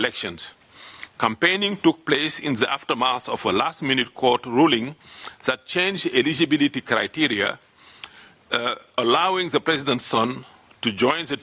kampenya berlaku di zimbabwe